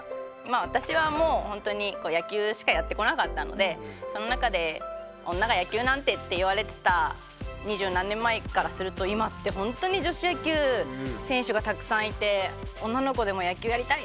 私はもう本当に野球しかやってこなかったのでその中で女が野球なんてって言われてた二十何年前からすると今って本当に女子野球選手がたくさんいて「女の子でも野球やりたい」